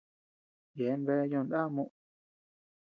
Yeabean bea ñoʼó ndá muʼu.